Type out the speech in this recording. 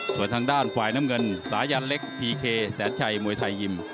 ส่วนทางด้านฝ่ายน้ำเงินสายันเล็กพีเคแสนชัยมวยไทยยิม